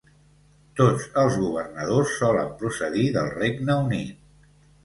Tots els governadors solen procedir del Regne Unit.